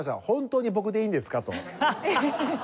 「本当に僕でいいんですか？」と。